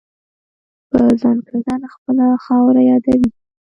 په ځانکدن خپله خاوره یادوي.